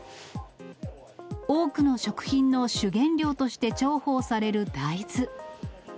多くの食品の主原料として重宝される大豆。